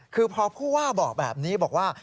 คือพอผู้ว่าบอกแบบนี้บอกว่า